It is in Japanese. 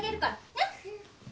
ねっ。